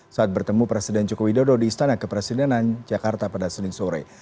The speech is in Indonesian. saat bertemu presiden joko widodo di istana kepresidenan jakarta pada senin sore